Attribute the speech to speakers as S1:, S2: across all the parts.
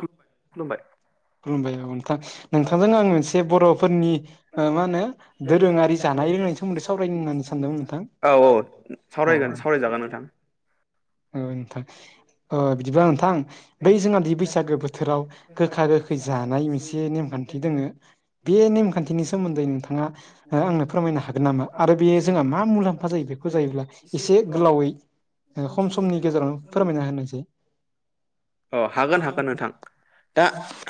S1: खुलुमबाय।
S2: खुलुमबाय औ नोंथां नोंथांजों आं मोनसे बर'फोरनि ओ मा होनो दोरोङारि जानाय लोंनायनि सोमोन्दै सावरायनो होननानै सानदोंमोन नोंथां।
S1: औ औ सावरायगोन
S2: औ
S1: सावरायजागोन नोंथां
S2: औ नोंथां। ओ बिदिबा नोंथां बै जोंहादि बैसागो बोथोराव गोखा गोखै जानाय मोनसे नेमखान थि दोङो बे नेमखान्थिनि सोमोन्दै नोंथाङा हो आंनो फोरमायनो हागोन नामा? आरो बे जोंहा मा मुलाम्फा जायो बेखौ जायोब्ला एसे गोलावै ओ खम समनि गेजेरावनो फोरमायना होनोसै।
S1: अ हागोन हागोन नोंथां दा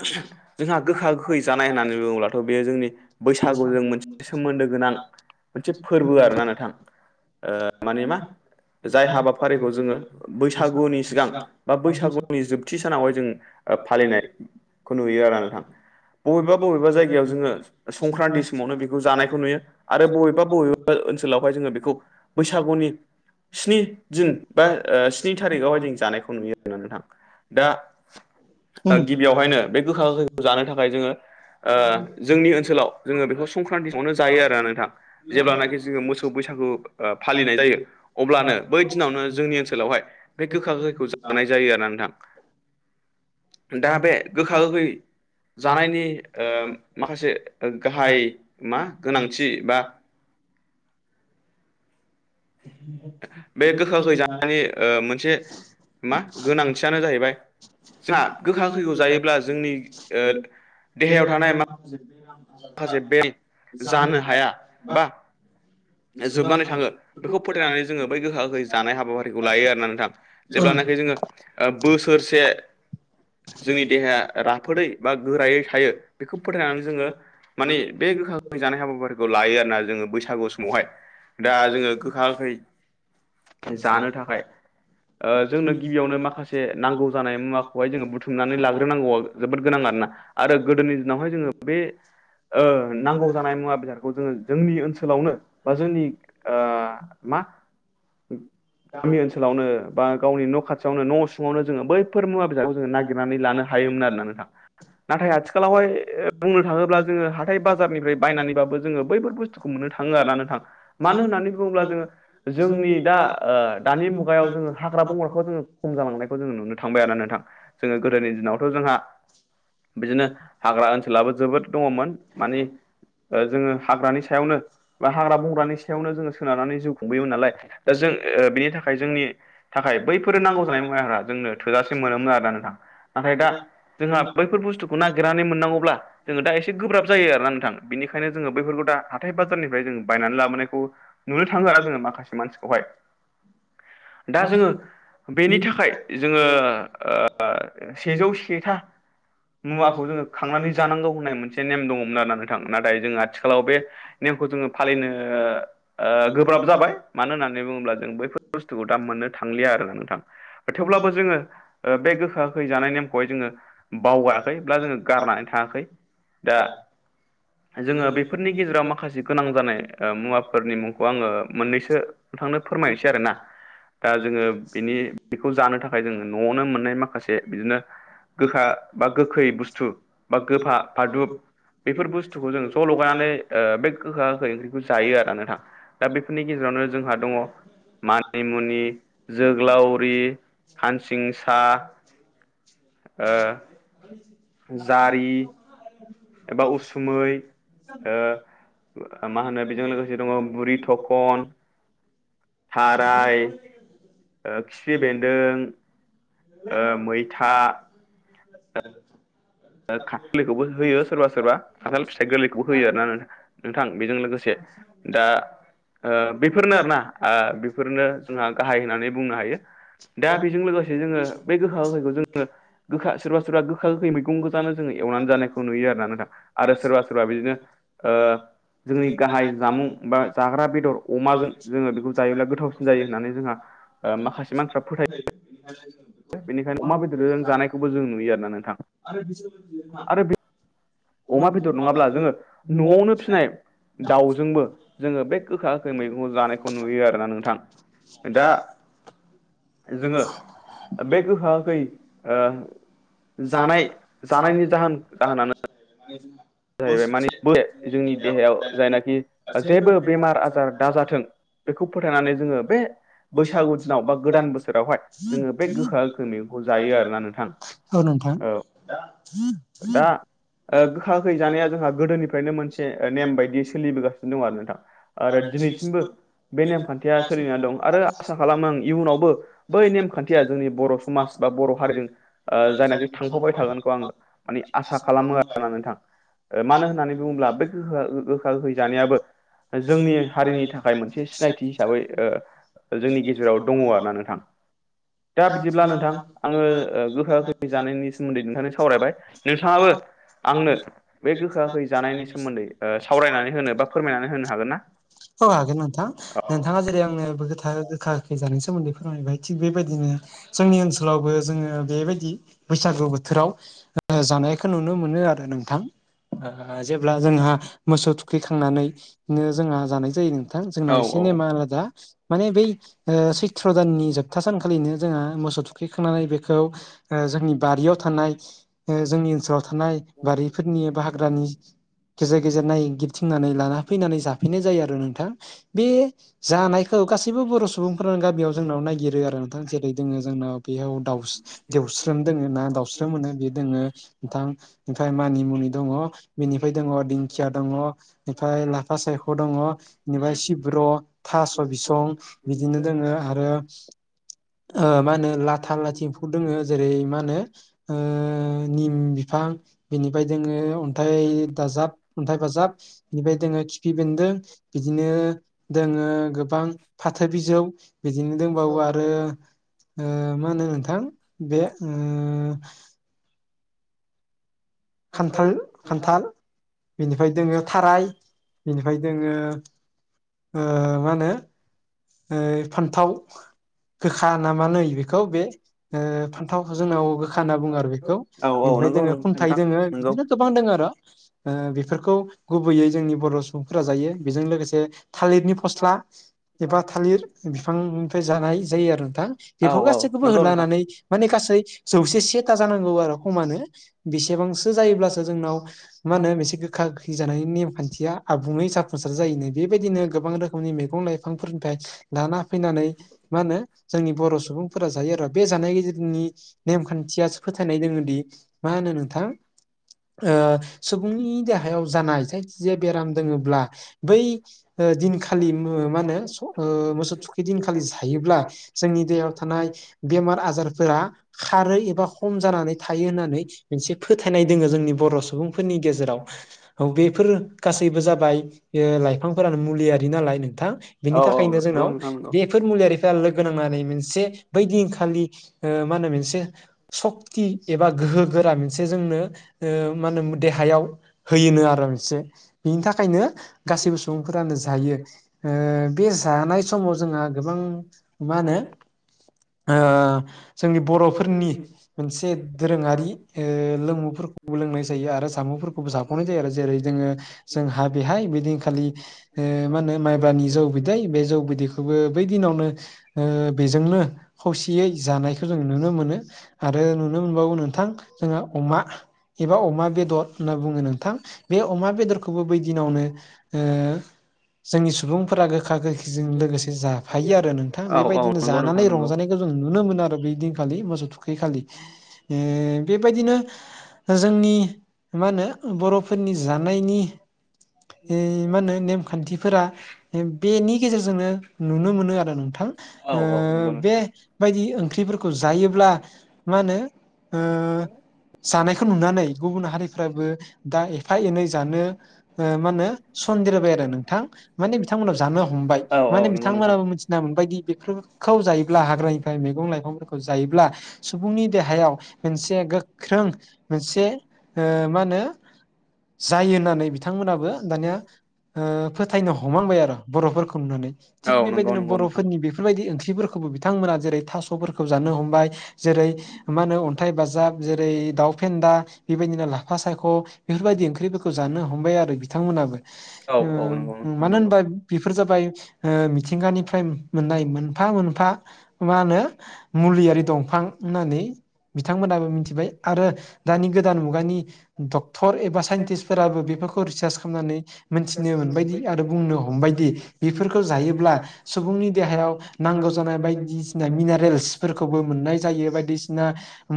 S1: जोंहा गोखा गोखै जानाय होननानै बुङोब्लाथ' बेयो जोंनि बैसागुजों मोन सोमोन्दो गोनां मोनसे फोरबो आरोना नोंथां। ओ माने मा जाय हाबाफारिखौ जोङो बैसागुनि सिगां बा बैसागुनि जोबथि सानावहाय जों ओ फालिनायखौ नुयो आरोना नोंथां। बबेबा बबेबा जायगायाव जोङो संक्रान्ति समावनो बेखौ जानायखौ नुयो आरो बबेबा बबे हो ओनसोलावहाय जोङो बेखौ बैसागुनि स्नि
S2: [inaudible]
S1: दिन बा स्नि थारिखावहाय जों जानायखौ नुयो नोंथां। दा गिबियावहायनो बे गोखा गोखैखौ जानो थाखाय जोङो जोंनि ओनसोलाव जोङो बेखौ संक्रान्तिावनो जायो आरो नोंथां जेब्लानाखि जोङो मोसौ बैसागु फालिनाय जायो अब्लानो बै दिनावनो जोंनि ओनसोलावहाय बे गोखा गोखैखौ जानाय जायो आरो। दा बे गोखा गोखै जानायनि माखासे गाहाय मा गोनांथि एबा बे गोखा गोखै जानायनि मोनसे मा गोनांथियानो जाहैबाय जाहा गोखा गोखैखौ जायोब्ला जोंनि ओ देहायाव थानाय मा जानो हाया बा
S2: [inaudible]
S1: जोबनानै थाङो बेखौ फोथायनानै जोङो बै गोखा गोखै जानाय हाबाफारिखौ लायो आरोना नोंथां। जेब्लानाखि जोङो ओ बोसोरसे जोंनि देहाया राफोदै बा गोरायै थायो बेखौ फोथायनानै जोङो माने बे गोखां गोखै जानाय हाबाफारिखौ लायो आरोना जोङो बैसागु स बेावहाय दा जोङो गोखा गोखै जानो थाखाय जोंनो गिबियावनो माखासे नांगौ जानाय मुवाखौ जोङो बुथुमनानै लाग्रोनांगौआ जोबोद गोनां आरोना आरो गोदोनि दिनावहाय जोङो बे नांगौ जानाय मुवा बेसादखौ जोङो जोंनि ओनसोलावनो बा जोंनि ओ मा होनो गामि ओनसोलावनो बा गावनि न' खाथियावनो न' सिङावनो जोङो बैफोर मुवा बे बिजाब नागिरनानै लानो हायोमोन आरो ना नोंथा। नाथाय आथिखालावहाय बुंनो थाङोब्ला जोङो हाथाय बाजारनिफ्राय बायनानैबाबो जोङो बैफोर बुस्थु खौ मोननो थाङो आरो ना थ मानो होननानै बुङोब्ला जोङो जोंनि दा दानि मुगायाव जोङो हाग्रा बंग्राखौ जोङो खम जालांनायखौ जोङो नुनो थांबाय आरो ना नोंथां जोङो गोदोनि दिनावथ' जोंहा बिदिनो हाग्रा ओनसोलाबो जोबोद दङमोन माने जोङो हाग्रानि सायावनो बा हाग्रा बंग्रानि सायावनो जोङो सोनारनानै जिउ खुंबोयोमोन नालाय दा जों बेनि थाखाय जोंनि थाखाय बैफोर नांगौ जानाय मुवाफ्रा जोंनो थोजासे मोनोमोन आरोना नोंथां। नाथाय दा जोंहा बैफोर बुस्थुखौ नागिरनानै मोननांगौब्ला जोङो दा एसे गोब्राब जायो आरोना नोंथां बेनिखायनो जोङो बैफोरखौ दा हााथथाय बाजारनिफ्राय जों बायनानै लाबोनायखौ नुनो थाङो आरो जोङो माखासे मानसिखौहाय दा जोङो बेनि थाखाय जोङो ओ सेजौ सेथा मुवाखौ जोङो खांनानै जानांगौ होननाय मोनसे नेम दङमोन आरोना नोंथांमोन नाथाय जोङो आथिखालाव बे नेमखौ जोङो फालिनो ओ ओ गोब्राब जाबाय मानो होननानै बुङोब्ला जों बैफोर बुस्थुखौ दा मोननो थांलिया आरो नोंथां थेवब्लाबो जोङो ओ बे गोखा गोखै जानाय नेमखौहाय जोङो बावगायाखै बब्ला जोङो गारनानै थाङाखै
S2: दा
S1: जोङो बेफोरनि गेजेराव माखासे गोनां जानाय ओ मुवाफोरनि मुंखौ आङो मोननैसो थांनो फोरमायनोसै आरोना दा जोङो बेनि बेखौ जानो थाखाय जोङो न'आवनो मोननाय माखासे बिदिनो गोखा बा गोखै बुस्थु बा गोफा फादुब बेफोर बुस्थु खौ जों ज' लगायनानै बे गोखा ओंख्रिखौ जायो आरो नोंथा दा बेफोरनि गेजेरावनो जोंहा दङ मानिमुनि जोग्लावरि कानसिंसा ओ जारि
S2: [unintelligible]
S1: एबा उसु मै ओ मा होनो बेजों लोगोसे दङ बुरि थखन
S2: थाराय
S1: ओ खिफि बेन्दों ओ मैथा
S2: [unintelligible]
S1: ओ खा गोरलैखौबो होयो सोरबा सोरबा खान्थाल फिथाइ गोरलैखौबो होयो आरोना नोंथां बेजों लोगोसे दा ओ बेफोरनो आरोना आ बेफोरनो जोंहा गाहाय होननानै बुंनो हायो दा बेजों लोगोसे जोङो बे गोखा गोखैखौ जोङो गोखा सोरबा सोरबा गोखा गोखै मैगं गो जों एवनानै जानायखौ नुयो आरोना नोंथां आरो सोरबा सोरबा बिदिनो ओ जोंनि गाहाय जामुं बा जाग्रा बेदर अमाजों जों जोङो बेखौ जायोब्ला गोथावसिन जायो होननानै जोंहा ओ माखासे मानसिफ्रा फोथायो
S2: [inaudible]
S1: बेनिखायनो अमा बेदरजों जानायखौबो जों नुयो आरोोना नोंथां आरो बे अमा बेदर नङाब्ला जोङो न'आवनो फिनाय दाउजोंबो जोङो बे गोखा गोखै मैगंखौ जानायखौ खौ नुयो आरोना नोंथां दा जोङो बे गोखा गोखै ओ जानाय जानायनि जाहोन जाहोनानो
S2: [unintelligible]
S1: जाहैबाय माने जोंनि देहायाव जायनाखि जेबो बेमार आजार दाजाथों बेखौ फोथायनानै जोङो बे बैसागु दिनाव बा गोदान बोसोरावहाय जोङो बे गोखा गोखो मैगंखौ जायो आरोना नोंथां
S2: औ नोंथां
S1: दा ओ गोखा गोखै जानाया जोंहा गोदोनिफ्रायनो मोनसे नेम बायदि सोलिबोगासिनो दं आरो नोंथां आरो दिनैसिमबो बे नेमखान्थिया सोलिनानै दं आरो आसा खालामो इयुनावबो बै नेमखान्थिया जोंनि बर' समाज बा बर' हारिजों ओ जायनाखि थांफाबबाय थागोनखौ आङो माने आसा खालामो आरोना नोंथां ओ मानो होननानै बुङोब्ला बे गोखा गोखा गोखै जानायाबो जोंनि हारिनि थाखाय मोनसे सि सिनायथि हिसाबै ओ जोंनि गेजेराव दङ आरोना नोंथां दा बिदिब्ला नोंथां आङो गोखा गोखै जानायनि सोमोन्दै नोंथांनो सावरायबाय नोंथाङाबो आंनो बे गोखा -गोखै जानायनि सोमोन्दै ओ सावरायनानै होनो बा फोरमायनानै होनो हागोन ना?
S2: औ हागोन नोंथां नोंथाङा जेरै आंनो [unintelligible] गोखा गोखै जानाय सोमोन्दै फोरमायबाय थिग बेबायदि बिदिनो जोंनि ओनसोलावबो जोङो बेबायदि बैसागु बोथोराव जानायखौ नुनो मोनो आरो नोंथां ओ जेब्ला जोंहा मोसौ थुखैखांनानै नो जोंहा जानाय जायो नोंथां
S1: औ
S2: जोंनाव एसे
S1: औ
S2: नेमा आलादा माने बै सैत्र दाननि जोबथा सान खालिनो जोङो मोसौ थुखैखांनानै बेखौ जोंनि बारियाव थानाय जोंनि ओनसोलाव थानाय बारिफोरनि बा हाग्रानि गेजेर गेजेर नायगिरथिंनानै लाना फैनानै जाफैनाय जायो आरो नोंथां बे जानायखौ गासैबो बर' सुबुंफोरानो गामियाव जोंनाव ननायागिरो आरो जेरै दोङो जोंनाव बेयाव देवस्रोम दोङो दाउस्रि मोनो बे दोङो नोंथां ओमफ्राय मानिमुनि दङ बेनिफ्राय दङ दिंखिया दङ। ओफ्राय लाफा सायख' दङ बेनिफ्राय सिब्र' थास' बिसं बिदिनो दोङो आरो मा होनो लाथा लाथि एम्फौ दोङो जेरै माहोनो ओ बिफां बिनिफाय जोङो अन्थाइ दाजाब अन्थाइ बाजाब बेनिफ्राय दोङो खिफि बेन्दों बिदिनो दोङो गोबां फाथो बिजौ बिदिनो दंबावो आरो आरो मा होनो नोंथां बे खान्थाल खान्थाल बिनिफ्राय दोङो थाराय बेनिफ्राय दोङो मा होनो ओ फान्थाव गोखा नाामा नै बेखौ बे फान्थाव जोंनाव गोखा होनना बुङो आरो बेखौ
S1: औ
S2: बेनिफ्राय दोङो खुन्थायाइ दोङ
S1: नंगौ
S2: बिदिनो गोबां दोङो आरो बेफोरखौ गुबैयै जोंनि बर' सुबुंफोरा जायो। बेजों लोगोसे थालिरनि फस्ला एबा थालिर बिफांनिफ्राय जानाय जायो आरो नोंथां
S1: औ
S2: बेफोर
S1: औ
S2: गासैखौबो
S1: नंगौ नोंथां
S2: होलानानै माने गासै जौसे सेथा जानांगौ आरो खमानो बेसेबांसो जायोब्लासो जोंनाव मा होनो मोनसे गोखा गोखै जानायनि नेम खान्थिया आबुङै जाफुंसार जायोनो। बेबायदिनो गोबां रोखोमनि मैगं लाइफांफोरनिफ्राय लाना फैनानै मा होनो जोंनि बर' सुबुंफोरा जायो आरो बे जानाय गुन नेमखान्थियासो फोथायनाय दोङोदि मा होनो नोंथां। ओ सुबुंनि देहायाव जानायजों जे बेराम दोङोब्ला बै दिनखालि मा होनो मोसौ थुखि दिनखालि जायोब्ला जोंनि दहायाव थानाय बेमार आजारफोरा खारो एबा हम जानानै थायो होननानै मोनसे फोथायनाय दङो जोंनि बर' सुबुंफोरनि गेजेराव औ बेफोर गासैबो जाबाय लाइफांफोरानो मुलियारि नालाय नोंथां। बेनि
S1: औ औ
S2: थाखायनो जोंनाव
S1: नंगौ नोंथां नंगौ
S2: बेफोर मुलिारिफोरा लोगो नांनानै मोनसे बै दिनखालि ओ मा होनो बेसे सक्टि एबा गोहो गोरा मोनसे जोंनो मा होनोम देहायाव होयोनो आरो मोनसे बिनि थाखायनो गासैबो सुबुंफोरानो जायो। बे जानाय समाव जोंहा गोबां मा होनो ओ जोंनि बर'फोरनि मोनसे दोरोङारि लोंमुफोरखौबो लोंनाय जायो आरो सामुंफोरखौबो साख'नाय जायो आरो जेरै जोङो जोंहा बेहाय बिदिनो खालि मा होनो माइब्रानि जौ बिदि दैै बे जौ बिदैखौबो बै दिनावनो बेजोंनो खौसेयै जानायखौ जों नुनो मोनो। आरो नुनो मोनबावौ नोंथां जोंहा अमा एबा अमा बेदर होनना बुङो नोंथां बे अमा बेदरखौबो बै दिनावनो जोंनि सुबुंफोरा गो खा गोखिजों लोगोसे जाफायो आरो नोंथां
S1: औ औ
S2: बेबायदिनो
S1: नंगौ नोंथां
S2: जानानै
S1: नंगौ
S2: रंजानाय जों नुनो मोनो आरो बै दिनखालि मोसौ थुखैखालि बेबायदिनो जोंनि मा होनो बर'फोरनि जानायनि मा होनो नेमखान्थिफोरा बेनि गेजेरजोंनो नुनो मोनो आरो नोंथां।
S1: औ औ नंगौ
S2: ओ बेबायदि ओंख्रिफोरखौ जायोब्ला मा होनो ओ जानायखौ नुनानै गुबुन हारिफ्राबो दा एफा एनै जानो ओ मा होनो सन्देर होबाय आरो नोंथां माने बिथांमोना जा नो हमबाय
S1: औ औ
S2: माने
S1: नंगौ नोंथां
S2: बिथांमोनाबो मिथिना मोनबायदि बेफोरखौ जायोब्ला हाग्रानिफ्राय मैगं लाइफां जायोब्ला सुबुंनि देहायाव मोनसे गोख्रों मोनसे ओ मा होनो जायो होननानै बिथांमोनाबो दानिया फोथायनो हमहांबाय आरो बर'फोरखौ नुनानै थिग
S1: औ नंगौ
S2: बेबायदिनो
S1: नंगौ नोंथां
S2: बर'फोरनि बे फोरबायदि ओंख्रिफोरखौबो बिथांमोना जेरै थास'फोरखौ जानो हमबाय जेरै मा होनो हन्थाइ बाजाब जेरै दाउ फेन्दा बेबायदिनो लाफा सायख बेफोरबायदि ओंख्रिफोरखौ जानो हमबाय आरो बिथांमोनाबो
S1: औ औ नंगौ नोंथां
S2: मानो
S1: नंगौ
S2: होनबा बेफोर जाबाय ओ मिथिंगानिफ्राय मोननाय मोनफा मोनफा मा होनो मुलियारि दंफां होननानै बिथांमोनाबो मिथिबाय आरो दानि गोदान मुगानि डक्टर एबा साइन्टिस्ट फोराबो बेफोरखौ रिसार्च खालामनानै मिथिनो मोनबायदि आरो बुंनो हमबाय बेफोरखौ जायोब्ला सुबुंनि देहायाव नांगौ जानाय बायदि मिनारेल्सफोरखौबो मोननाय जायो बायदिसिना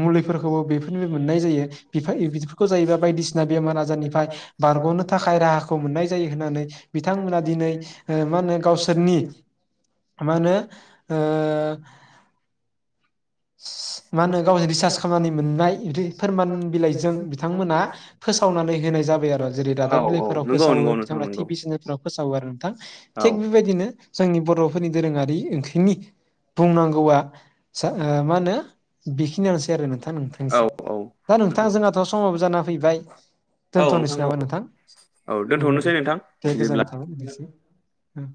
S2: मुलिफोरखौबो बेफोरनिबो मोननाय जायो बिफा बिफोरखौ जायोबा बायदिसिना बेमार आजारनिफ्राय बारगनो थाखाय राहाखौ मोननाय जायो होननानै बिथांमोना दिनै ओ मा होनो गावसोरनि मा होनो ओ मा होनो गावजों रिसार्च खालामनानै मोननाय बिदि फोरमान बिलाइजों बिथांमोना फोसावनानै होनाय जाबाय आरो जेरै
S1: औ
S2: दादाब
S1: औ
S2: बिलाइफोराव
S1: नंगौ
S2: फोसावो
S1: नंगौ नोंथां
S2: बिथांमोना टि
S1: नंगौ
S2: भि सेनेलफोराव फोसावो आरो
S1: औ
S2: थिग बेबायदिनो जोंनि बर'फोरनि दोरोङारि ओंख्रिनि बुंनांगौआ मा होनो बेखिनियानोसै आरो नोंथां
S1: औ
S2: नोंथांनिसो
S1: औ
S2: दा नोंथां जोंहाथ समाबो जाना फैबाय
S1: औ
S2: दोनथनोसै
S1: औ
S2: नामा नोंथां
S1: औ दोनथ'नोसै नोंथां
S2: दे
S1: बिदिब्ला
S2: गोजोननाय थाबाय [unintelligible]